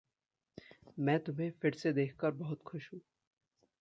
मैं तुम्हें फिरसे देखकर बहुत खुश हूँ।